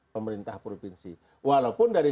pemerintah provinsi walaupun dari